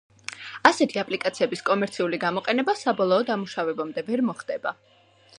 ასეთი აპლიკაციების კომერციული გამოყენება საბოლოო დამუშავებამდე ვერ მოხდება.